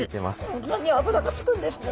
こんなに脂がつくんですね